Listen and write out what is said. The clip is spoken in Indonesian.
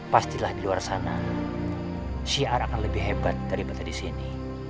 pastilah di luar sana syiar akan lebih hebat daripada di sini